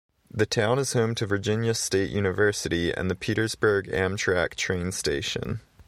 The town is home to Virginia State University and the Petersburg Amtrak train station.